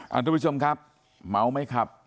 ทุกผู้ชมครับเมาไม่ขับ